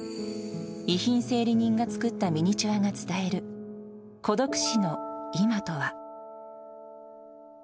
遺品整理人が作ったミニチュアが伝える、孤独死の今とは。